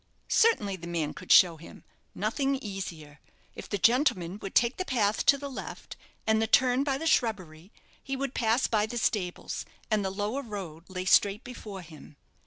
Certainly the man could show him nothing easier, if the gentleman would take the path to the left, and the turn by the shrubbery, he would pass by the stables, and the lower road lay straight before him.